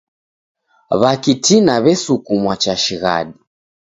W'akitina w'esukumwa cha shighadi